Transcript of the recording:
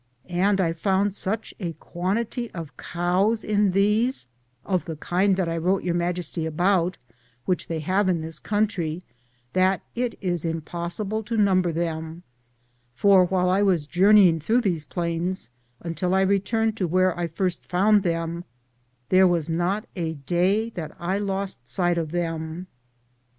And I found such a quantity of cows in these, of the kind that I wrote Your Majesty about, which they have in this country, that it is impossible to number them, for while I was journeying through these plains, until I re turned to where I first found them, there was not a day that I lost sight of them.